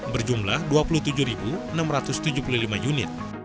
berjumlah dua puluh tujuh enam ratus tujuh puluh lima unit